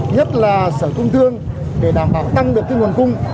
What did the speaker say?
nhất là sở công thương để đảm bảo tăng được nguồn cung